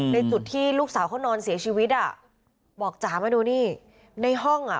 ในจุดที่ลูกสาวเขานอนเสียชีวิตอ่ะบอกจ๋ามาดูนี่ในห้องอ่ะ